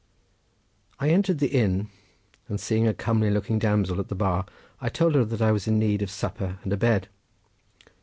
I entered the inn and seeing a comely looking damsel at the bar I told her that I was in need of supper and a bed.